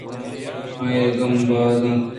آئیءِ گم باز اَنت